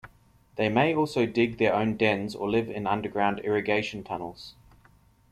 They may also dig their own dens or live in underground irrigation tunnels.